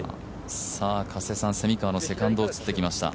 加瀬さん、蝉川のセカンド映ってきました。